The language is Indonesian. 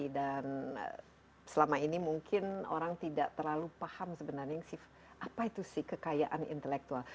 dan selama ini mungkin orang tidak terlalu paham sebenarnya apa itu sih kekayaan intelektual